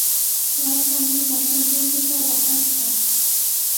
Wallpaami hatun runtuta watrashqa.